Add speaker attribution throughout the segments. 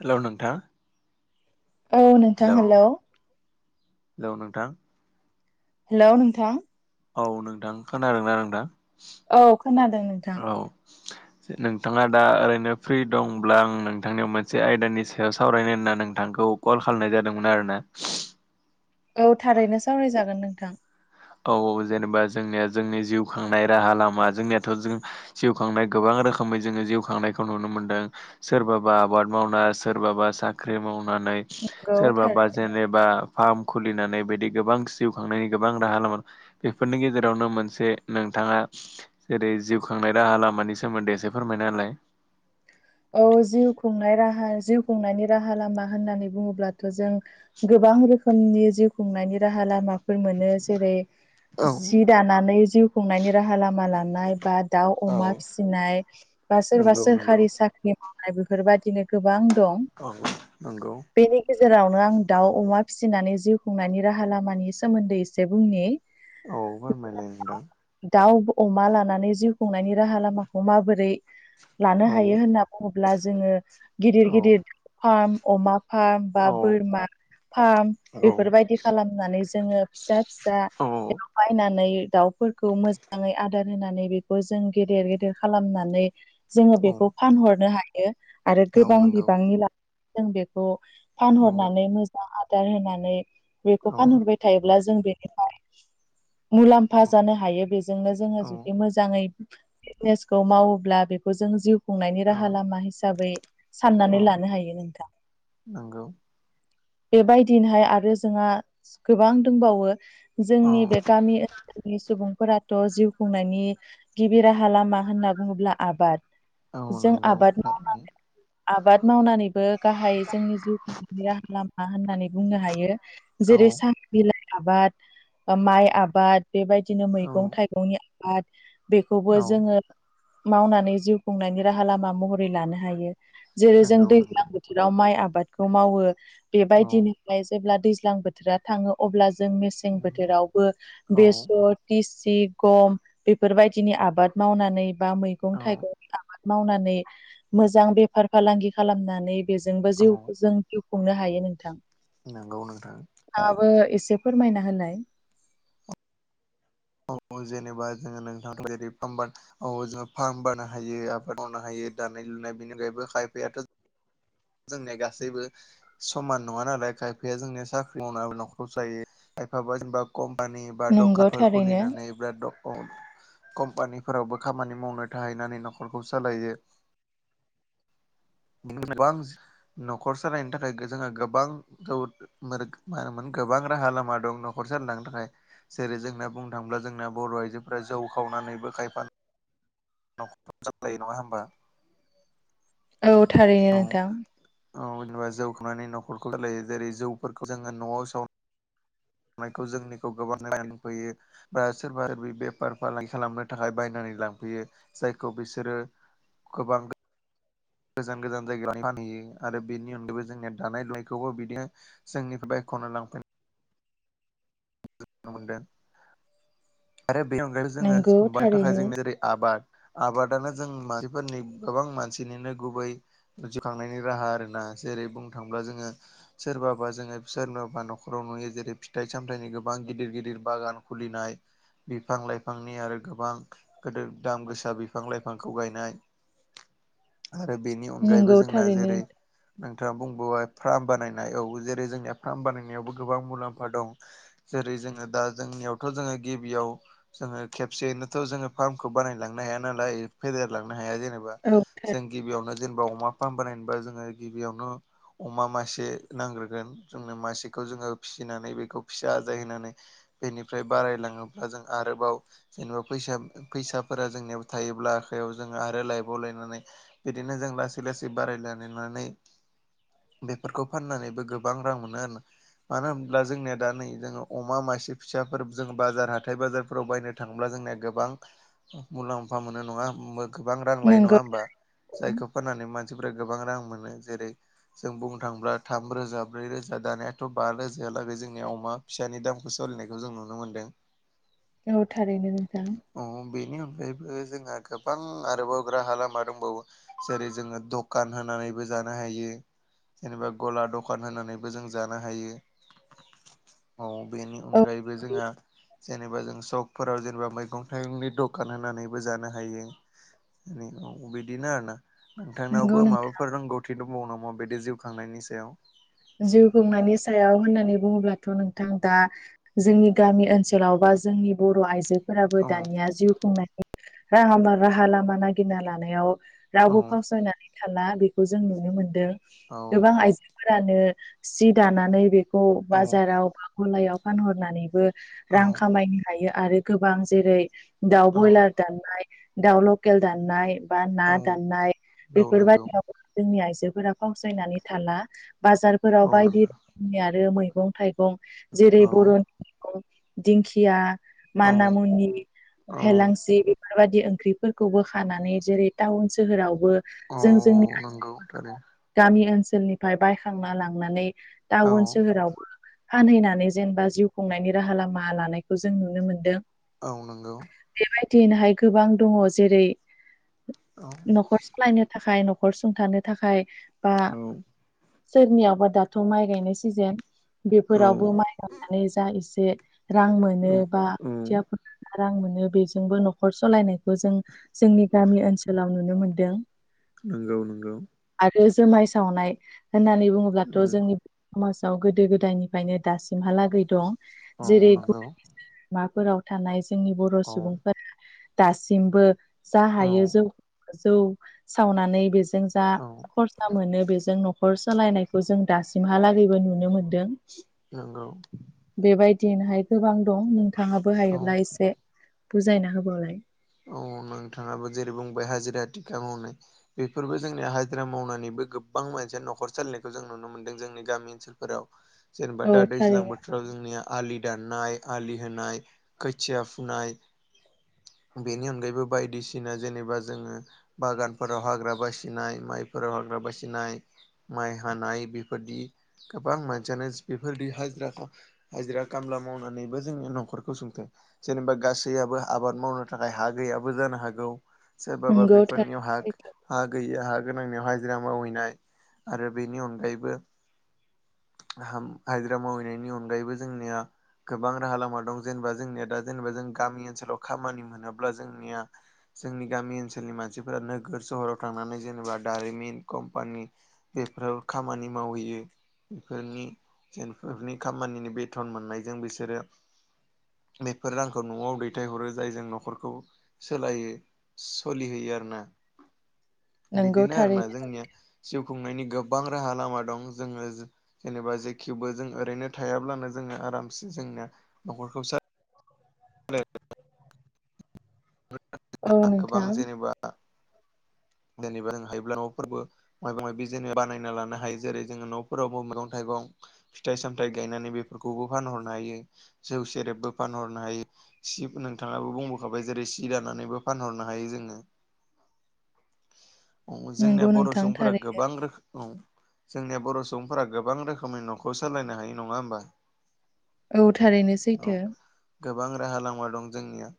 Speaker 1: हेल' नोंथां
Speaker 2: औ नोंथां
Speaker 1: हेल'
Speaker 2: हेलौ
Speaker 1: हेलौ नोंथां
Speaker 2: हेल' नोंथां
Speaker 1: औ नोंथां खोनादोंना नोंथां
Speaker 2: औ खोनादों नोंथां
Speaker 1: [inaudible] जे नोंथाङा दा ओरैनो फ्रि दंब्ला आं नोंथांनियाव मोनसे आयदानि सायाव सावरायनो होनना नोंथांखौ कल खालामनाय जादोंमोन आरो ना।
Speaker 2: औ थारैनो सावरायजागोन नोंथां।
Speaker 1: औ औ जेनेबा जोंनिया जोंनि जिउ खांनाय राहा लामा जोंनियाथ' जों जखांनाय गोबां रोखोमै जोङो जिउ खांनायखौ नुनो मोन्दों। सोरबाबा आबाद मावना सोरबाबा साख्रि मावनानै
Speaker 2: नंगौ
Speaker 1: सोरबा
Speaker 2: थारै
Speaker 1: बा जेनेबा फार्म खुलिनानै बिदि गोबां जिउ खांनायनि गोबां राहा लामोन बेफोरनि गेजेरावनो मोनसे नोंथाङा जेरै जिउ खांनाय राहा लामानि सोमोन्दै एसे फोरमायना होलाय?
Speaker 2: औ जिउ खुंनाय राहा जिउ खुंनायनि राहा लामा होननानै बुङोब्लाथ' जों गोबां रोखोमनि जिउ खुंनायनि राहा लामाफोर मोनो जेरै
Speaker 1: औ
Speaker 2: सि दानानै जिउ खुंनायनि राहा लामा लानाय बा दाउ
Speaker 1: औ
Speaker 2: अमा फिसिनाय बा सोरबा
Speaker 1: नंगौ नंगौ
Speaker 2: सोरखारि साख्रि नि मावनाय बेफोरबायादिनो गोबां दं
Speaker 1: औ नंगौ
Speaker 2: बेनि गेजेरावनो आं दाउ अमा फिसिनानै जिउ खुंनायनि राहा लामानि सोमोन्दै एसे बुंनि
Speaker 1: औ फोरमायलाय नोंथां
Speaker 2: दाउ अमा लानानै जिउ खुंनायनि राहा लामाखौ माबोरै लानो
Speaker 1: औ
Speaker 2: हायो होनना। अब्ला जोङो गिदिर
Speaker 1: औ
Speaker 2: गिदिर फार्म अमा फार्म बा
Speaker 1: औ
Speaker 2: बोरमा फार्म
Speaker 1: औ
Speaker 2: बेफोरबायदि खालाम होननानै जोङो फिसा फिसा बे
Speaker 1: औ
Speaker 2: बायनानै दाउफोरखौ मोजाङै आदार होनानै बेखौ जों गेदेर गेदेर खालामनानै जोङो
Speaker 1: औ
Speaker 2: बेखौ फानहरनो हायो आरो
Speaker 1: औ
Speaker 2: गोबां
Speaker 1: नंगौ
Speaker 2: बिबांनि ला जों बेखौ
Speaker 1: औ
Speaker 2: फानहरनानै मोजां आदार होनानै बेखौ
Speaker 1: औ
Speaker 2: फानहरबाय थायोब्ला जों बेनिफाय मुलाम्फा
Speaker 1: औ
Speaker 2: जानो हायो बेजोंनो जोङो
Speaker 1: औ
Speaker 2: जुदि मोजां जाङै बिजनेसखौ मावोब्ला बेखौ जों जिउ खुंनायनि
Speaker 1: औ
Speaker 2: राहा लामा हिसाबै
Speaker 1: औ
Speaker 2: साननानै लानो हायो नोंथां।
Speaker 1: नंगौ
Speaker 2: बेबायदिनोहाय आरो जोंहा गोबां दंबावो
Speaker 1: औ
Speaker 2: जोंनि बे गामि ओ नसोलनि सुबुंफोराथ' जिउ खुंनायनि गिबि राहा लामा होनना बुङोब्ला आबाद।
Speaker 1: औ
Speaker 2: जों
Speaker 1: नंगौ
Speaker 2: आबाद मावना
Speaker 1: थारैनो
Speaker 2: आबाद मावनानैबो गाहाय जोंनि जिउ खुंनायनि राहा लामा होननानै बुंनो हायो।
Speaker 1: औ
Speaker 2: जेरै सा बिलाइ आबाद बा माइ आबाद बेबायदिनो
Speaker 1: औ
Speaker 2: मैगं थाइगंनि आबाद बेखौबो
Speaker 1: औ
Speaker 2: जोङो मावनानै जिउ खुंनायनि राहा लामा महरै लानो हायो। जेरै जों
Speaker 1: नंगौ नंगौ
Speaker 2: दैज्लां बोथोराव माइ आबादखौ मावो
Speaker 1: औ
Speaker 2: बेबायदिनो जेब्ला दैज्लां बोथोरा थाङो अब्ला जों मेसें बोथोरावबो
Speaker 1: औ
Speaker 2: बेसर लिसि गम बेफोर बायदिनि आबाद मावनानै बा मैगं
Speaker 1: औ
Speaker 2: थाइगं मावनानै मोजां बेफार फालांगि खालामनानै बेजोंबो जिउखौ जों जिउ खुंनो हायो नोंथां।
Speaker 1: नोंगौ नोंथां
Speaker 2: नोंथांआबो एसे फोरमायना होलाय।
Speaker 1: औ जेनेबा जोङो नोंथां [unintelligible] औ जों फार्म बानो हायो आबाद मावनो हायो दानाय लुनाय बेनिफायबो खायफायाथ' जोंनिया गासैबो समान नङा नालाय खायफाया जोंनिया साख्रि मावनानै न'खर जायो खायफाबा जेनेबा कम्पानि बा
Speaker 2: नंगौ
Speaker 1: दखानफोर
Speaker 2: थारैनो
Speaker 1: खुलिनानै बिराद [unintelligible] कम्पानिफोरावबो खामानि मावनो थाहैनानै न'खरखौ सालायो [unintelligible] न'खर सालायनो थाखाय जोङो गोबां [unintelligible] [unintelligible] मामोन गोबां राहा लामा दं न'खर सालायलांनो थाखाय। जेरै जोंना बुंनो थाङोब्ला जोंना बर' आइजोफोरा जौ खावनानैबो खायफा नखर सामलायो नङा होमबा।
Speaker 2: औ थारैनो
Speaker 1: औ
Speaker 2: नोंथां।
Speaker 1: औ जेनेबा जौ खावनानै न'खरखौ सालायो जेरै जौफोरखौ जोङो न'आव साव नायखौ जोंनिखौ गोबां [unintelligible] बा सोरबा बे बेफार फालांगि खालामनो थाखाय बायनानै लांफैयो। जायखौ बिसोरो गोबां गोजान गोजान जायगायाव फानहैयो आरो बेनि अनगायैबो जोंनिया दानाय लुनायखौबो बिदिनो जोंनि बायख'ना लांफै [unintelligible] मोनदों आरो बेनि अनगायैबो
Speaker 2: नंगौ
Speaker 1: जोंङो‌ [unintelligible] थाखाय
Speaker 2: थारैनो
Speaker 1: जोंङो जेरै आबाद आबादानो जों मानसिफोरनि गोबां मानसिनिनो गुबै [unintelligible] खांनायनि राहा आरोना जेरै बुंनो थांब्ला जोंङो सोरबाबा जोङो सोरबाबा न'खराव नुयो जेरै फिथाइ सामथाइनि गो बां गिदिर गिदिर बागान खुलिनाय बिफां लाइफांनि आरो गोबां गोदो दाम गोसा बिफां लाइफांखौ गायनाय आरो बेनि अनगायैबो
Speaker 2: नंगौ
Speaker 1: जोंना
Speaker 2: थारैनो
Speaker 1: जेरै नोंथाङा बुंबोबाय फार्म बानायनाय औ जेरै जोंनिया फार्म बानायनायावबो गोबां मुलाम्फा दं। जेरै जोङो दा जोंनियावथ' जोङो गिबियाव जोंङो खेबसेयैनोथ' जोंङो फार्मखौ बानायलांनो हाया नालाय फेदेरलांनो हाया जेनेब बा
Speaker 2: औ थार
Speaker 1: जों गिबियावनो जेनेबा अमा फार्म बानायनोबा जोंङो गिबियावनो अमा मासे नांग्रोगोन जोंनो मासेखौ जोंङो फिसिनानै बेखौ फिसा आजाय होनानै बेनिफ्राय बारायलांङोब्ला जों आरोबाव जेनेबा फैसा फैसाफोरा जोंनियाव थायोब्ला आखायाव जोंङो आरो लायबावलायनानै बिदिनो जों लासै लासै बारायलनानै बेफोरखौ फाननानैबो गोबां रां मोनो आरोना मानो होनब्ला जोंनिया दा नै जोंङो अमा मासे फिसाफोर जों बाजार हाथाय बाजारफोराव बायनो थांङोब्ला जोंनिया गोबां मुलाम्फा मोनो नंङा गोबां रां लायो
Speaker 2: नंगौ
Speaker 1: नंङा होमबा?
Speaker 2: नोंथां।
Speaker 1: जायखौ फोनानै मानसिफोरा गोबां रां मोनो, जेरै जों बुंनो थांङोब्ला थाम रोजा ब्रै रोजा दानायाथ' बा रोजाायालागै जोंनि अमा फिसानि दामखौ सोलिनायखौ जों नुनो मोनदों।
Speaker 2: औ थारैनो नोंथां।
Speaker 1: औ बेनि अनगायैबो जोंहा गोबां आरोबाव राहा लामा दंबावो। जेरै जोंङो दखान होनानैबो जानो हायो। जेनेबा गला दखान होनानैबो जों जानो हायो। औ बेनि
Speaker 2: औ
Speaker 1: अनगायैबो जोंहा जेनेबा जों सकफोराव जेनेबा मैगं थाइगंनि दखान होनानैबो जानो हायो। औ बिदिनो आरो ना। नोंथांनावबो
Speaker 2: नंगौ नोंथां
Speaker 1: माबाफोर रोंगौथि दंबावो नामा बिदि जिउ खांनायनि सायाव?
Speaker 2: जिउ खुंनायनि सायाव होननानै बुंङोब्लाथ' नोंथां दा जोंनि गामि ओनसोलाव बा जोंनि बर' आइजो फोराबो
Speaker 1: औ
Speaker 2: दानिया जिउ खुंनायनि राहामा राहा लामा नागिरना लानायाव रावबो फावसायनानै थाला बेखौ जों नुनो मोनदों गोबां
Speaker 1: औ
Speaker 2: आइजोफोरानो नो सि दानानै बेखौ
Speaker 1: औ
Speaker 2: बाजाराव बा गलायाव फानहरनानैबो रां
Speaker 1: औ
Speaker 2: खामायनो हायो आरो गोबां जेरै दाउ
Speaker 1: औ
Speaker 2: ब्रयलार दन्नाय दाउ लकेल दान्नाय बा ना
Speaker 1: औ
Speaker 2: दान्नाय
Speaker 1: औ नंगौ
Speaker 2: बेफोरबादियाव जोंनि आइजोफोरा फावसायनानै थाला बाजारफोराव
Speaker 1: औ
Speaker 2: बायदि
Speaker 1: नंगौ
Speaker 2: नि आरो मैगं थाइगं जेरै
Speaker 1: औ
Speaker 2: बर'नि मैगं दिंखिया
Speaker 1: औ
Speaker 2: माना मुनि
Speaker 1: औ
Speaker 2: हेलांसि बेफोरबायदि ओंख्रिफोरखौबो खानानै जेरै टाउन सोहोरावबो
Speaker 1: औ
Speaker 2: जों जोंनि
Speaker 1: नंगौ थारै
Speaker 2: गामि ओनसोलनिफ्राय बायखांना लांनानै
Speaker 1: औ
Speaker 2: टाउन सोहोरावबो फानहैनानै जेनेबा जिउ खुंनायनि राहा लामा लानायखौ जों नुनो मोनदों।
Speaker 1: औ नंगौ।
Speaker 2: बेबायदिनोहाय गोबां दंङ जेरै
Speaker 1: औ
Speaker 2: न'खर लायनो थाखाय न'खर सुंथानो थाखाय बा
Speaker 1: औ
Speaker 2: सोरनियावबा दाथ' माइ गायनाय सिजेन
Speaker 1: औ
Speaker 2: बेफोरावबो माइ गांनानै जा एसे रां मोनो बा
Speaker 1: औ
Speaker 2: खुथिया फुना रां मोनो बेजोंबो न'खर सलायनाय खौ जों जोंनि गामि ओनसोलाव नुनो मोनदों।
Speaker 1: नोंगौ नोंगौ।
Speaker 2: आरो जोमाय सावनाय होननानै बुङोब्लाथ'
Speaker 1: औ
Speaker 2: जोंनि समाजाव गोदो गोदायनिफ्रायनो दासिमहालागै दं
Speaker 1: औ
Speaker 2: जेरै
Speaker 1: नंगौ
Speaker 2: माफोराव थानाय जोंनि बर'
Speaker 1: औ
Speaker 2: सुबुंफोरा दासिमबो जा हायो
Speaker 1: औ
Speaker 2: जौ जौ सावनानै बेजों जा
Speaker 1: औ
Speaker 2: खर सा मोनो बेजों न'खर सोलायनायखौ जों दासिमहालागैबो नुनो मोनदों।
Speaker 1: नोंगौ।
Speaker 2: बेबायदिनोहाय गोबां दं नोंथांङाबो
Speaker 1: औ
Speaker 2: हायोब्ला एसे बुजायना होबावलाय।
Speaker 1: औ नोंथाङाबो जेरै बुंबाय हाजिरा थिखा मावनाय बेफोरबो जोंनिया हाजिरा मावनानैबो गोबां मानसिया न'खर सालिनायखौ जों नुनो मोनदों जोंनि गामि ओनसोल जेनबा
Speaker 2: औ
Speaker 1: दा दैज्लां
Speaker 2: थारैनो
Speaker 1: बोथोर जोंनिया आलि दाननाय आलि होनाय खोथिया फुनाय बेनि अनगायैबो बायदिसिना जेनेबा जोङो बागानफोराव हाग्रा बासिनाय माइफोराव हाग्रा बासिनाय माइ हानाय बेफोरदि गोबां मानसियानो बेफोरदि हाजिराखौ हाजिरा खामला मावनानैबो जोंनि न'खरखौ सुंथों जेनेबा गासैयाबो आबाद मावनो थाखाय हा गैयाबो जानो हागौ सोरबाबा
Speaker 2: नंगौ थारैनो
Speaker 1: बेफोरनियाव हा
Speaker 2: सैथो
Speaker 1: हा गैयि हा गोनांनियाव हाजिरा मावहैनाय आरो बेनि अनगायैबो हाजिरा मावहैनायनि अनगायैबो जोंनिया गोबां राहा लामा दं जेनेबा जोंनिया दा जेनेबा जों गामि ओनसोलाव खामानि मोनोब्ला जोंनिया जोंनि गामि ओनसोलनि मानसिफोरा नोगोर सहराव थांनानै जेनेबा दारिमिन कम्पानि बेफोरावो खामानि मावहैयो। बेफोरनि जेनफोरनि खामानिनि बेथन मोननायजों बिसोरो बेफोर रांखौ न'आव दैथायहरो जायजों न'खरखौ सोलायो सलिहैयो आरोना।
Speaker 2: नंगौ
Speaker 1: बिदिनो आरोना
Speaker 2: थारैनो
Speaker 1: जोंनिया जिउ खुंनायनि गोबां राहा लामा दं जोङो जेनेबा जेखेवबो जों ओरैनो थायाब्लानो जोङो आरामसे जोंनिया न'खरखौ सा [unintelligible]
Speaker 2: सैथो। औ
Speaker 1: गोबां
Speaker 2: नोंथां
Speaker 1: जेनेबा जेनेबा जों हायोब्ला न' फोरबो माबा माबि जेने बानायना लानो हायो जेरै जोङो न'फोरावबो मैगं थाइगं फिथाइ सामथाइ गायनानै बेफोरखौबो फानहरनो हायो जौ सेरेबबो फानहरनो हायो सिब नोंथाङाबो बुंबोखाबाय जेरै सि दानानैबो फानहरनो हायो जोङो। जोंनिया
Speaker 2: नंगौ
Speaker 1: बर'
Speaker 2: नोंथां
Speaker 1: सुबुंफोरा
Speaker 2: थारै
Speaker 1: गोबां रोखोम जोंनिया बर' सुबुंफोरा गोबां रोखोमनि न'खौ सोलायनो हायो नङा होमबा?
Speaker 2: औ थारैनो
Speaker 1: औ
Speaker 2: सैथो।
Speaker 1: गोबां राहा लामा दं जोंनिया।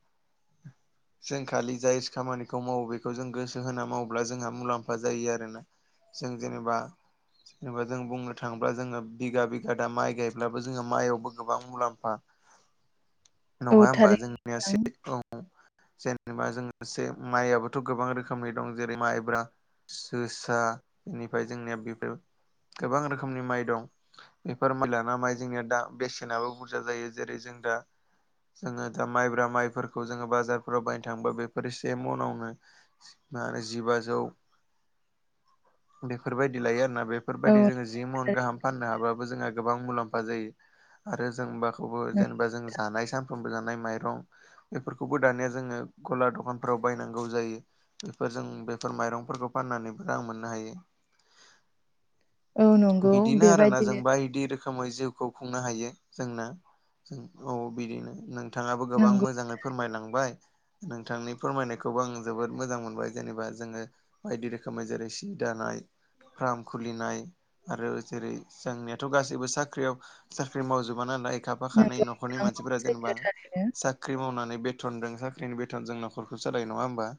Speaker 1: [inaudible] जों खालि जाय खामानिखौ मावो बेखौ जों गोसो होना मावोब्ला जोंहा मुलाम्फा जायो आरोना। जों जेनेबा जेनेबा जों बुंनो थाङोब्ला जोङो बिगा बिगा दा माइ गायब्लाबो जोङो माइआवबो गोबां मुलाम्फा
Speaker 2: औ
Speaker 1: नङा होमबा जों
Speaker 2: थारैनो नोंथां
Speaker 1: औ जेनेबा जोंसे माइआबोथ' गोबां रोखोमनि दं जेरै माइब्रा जोसा इनिफ्राय जोंनिया बेफोर गोबां रोखोमनि माइ दं। बेफोर माइ लाना माइ जोंनिया दा बेसेनाबो बुरजा जायो जेरै जों दा जोङो दा माइब्रा माइफोरखौ जोङो बाजारफोराव बायनो थाङोबा बेफोर एसे मनावनो मा होनो जिबाजौ बेफोरबायदि लायो आरोना बे बेफोरबायदि
Speaker 2: औ
Speaker 1: जोङो जि मन
Speaker 2: थारैनो
Speaker 1: गाहाम फाननो हाबाबो जोंहा गोबां मुलाम्फा जायो आरो जों बा बेखौबो जेनेबा जों जानाय सानफ्रोमबो जानाय माइरं बेफोरखौबो दानाया जोङो गला दखानफ्राव बायनांगौ जायो। बेफोरजों बेफोर माइरंफोरखौ फाननानैबो रां मोननो हायो।
Speaker 2: औ नंगौ
Speaker 1: बिदिनो आरोना जों
Speaker 2: बेबायदिनो
Speaker 1: बायदि रोखोम रोखोमै जिउखौ खुंनो हायो जोंना औ बिदिनो नोंथाङाबो गोबां
Speaker 2: नंगौ
Speaker 1: मोजाङै फोरमायलांबाय नोंथांनि फोरमायनायखौबो आं जोबोद मोजां मोनबाय जेनेबा जोङो बायदि रोखोमै जेरै सि दानाय फार्म खुलिनाय। आरो जेरै जोंनियाथ' गासैबो साख्रियाव साख्रि मावजोबा नालाय। खाफा खानै
Speaker 2: नंगौ
Speaker 1: न'खरनि
Speaker 2: नोंथां
Speaker 1: मानसिफोरा जेनेबा
Speaker 2: सैथो थारैनो
Speaker 1: साख्रि मावनानै बेथनजों साख्रिनि बेथन जों नखरखौ सालाय नङा होमबा।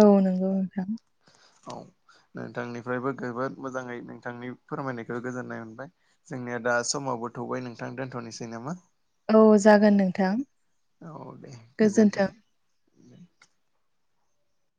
Speaker 2: औ नंगौ नोंथां।
Speaker 1: औ नोंथांनिफ्रायबो जोबोद मोजाङै नोंथांनि फोरमायनायखौ गोजोननाय मोनबाय। जोंनिया दा समावबो थौबाय नोंथां दोनथ'नोसै नामा।
Speaker 2: औ जागोन नोंथां
Speaker 1: औ दे
Speaker 2: गोजोन्थों।
Speaker 1: [inaudible]